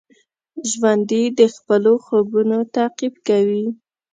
ژوندي د خپلو خوبونو تعقیب کوي